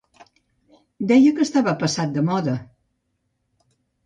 Deia que estava passat de moda...